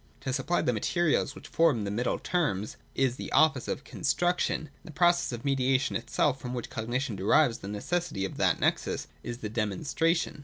To supply the materials, which form the middle terms, is the office of Construction : and the process of media tion itself, from which cognition derives the necessity of that nexus, is the Demonstration.